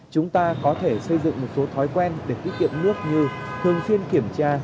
chúng ta có thể xây dựng một số thói quen để tiết kiệm nước như thường xuyên kiểm tra